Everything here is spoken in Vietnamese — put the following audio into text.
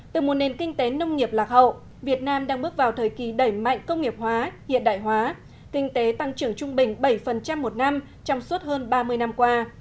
từ một nền kinh tế nông nghiệp lạc hậu việt nam đang bước vào thời kỳ đẩy mạnh công nghiệp hóa hiện đại hóa kinh tế tăng trưởng trung bình bảy một năm trong suốt hơn ba mươi năm qua